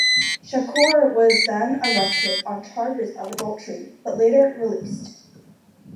Shakoor was then arrested on charges of adultery but later released.